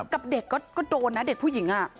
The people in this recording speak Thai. กับเด็กก็โดนนะเด็กผู้หญิง